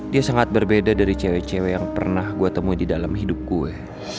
dia sangat berbeda dari cewek cewek yang pernah gue temui di dalam hidup gue